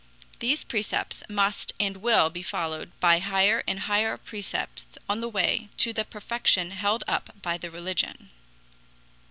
These precepts must and will be followed by higher and higher precepts on the way to the perfection held up by the religion.